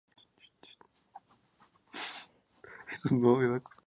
En "Charly Tango" interpretó a Polo, un empresario turístico ciego.